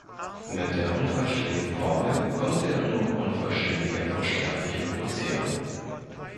Mit der unvollständigen Formel konnte er nur unvollständige Unsterbliche produzieren.